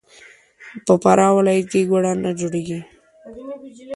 په فراه ولایت کې ګوړه نه جوړیږي.